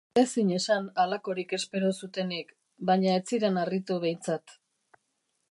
Ezin esan halakorik espero zutenik, baina ez ziren harritu behintzat.